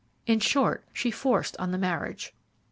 In short, she forced on the marriage.